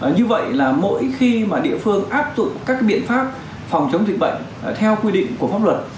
như vậy là mỗi khi địa phương áp dụng các biện pháp phòng chống dịch bệnh theo quy định của pháp luật